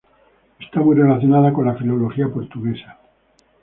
Está muy relacionada con la filología portuguesa.